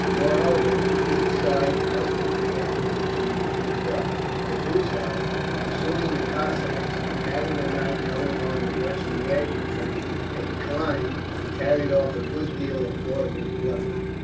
Moreover, on each side the musketry ammunition was used up. The hussars, pursuing the Cossacks, had in the night come upon the Russian waggon train at Kleim, and carried off a good deal of portable plunder.